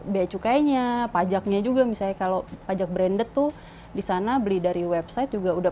biaya cukainya pajaknya juga misalnya kalau pajak branded tuh di sana beli dari website juga udah